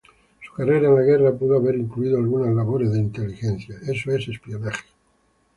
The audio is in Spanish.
Su carrera en la guerra pudo haber incluido algunas labores de inteligencia.